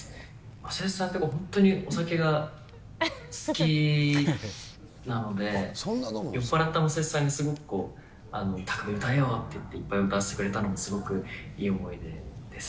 まさよしさんって、本当にお酒が好きなので、酔っ払ったまさよしさんに、すごく匠海、歌えよっていって、いっぱい歌わせてくれたのも、すごくいい思い出です。